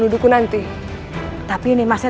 dudukku nanti tapi nimasnya